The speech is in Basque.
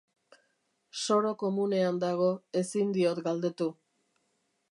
Soro komunean dago, ezin diot galdetu.